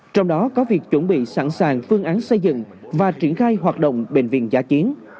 trong đó có việc chuẩn bị sẵn sàng phương án xây dựng và triển khai hoạt động bệnh viện giả chiến